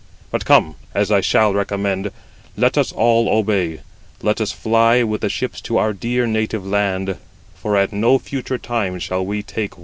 But come, as I shall recommend, let us all obey; let us fly with the ships to our dear native land, for at no future time shall we take wide wayed Troy."